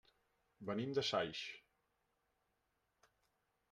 Venim de Saix.